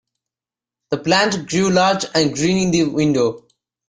The plant grew large and green in the window.